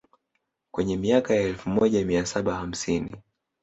kwenye miaka ya elfu moja mia saba hamsini